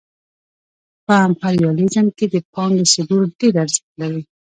په امپریالیزم کې د پانګې صدور ډېر ارزښت لري